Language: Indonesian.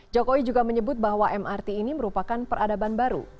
jokowi juga menyebut bahwa mrt ini merupakan peradaban baru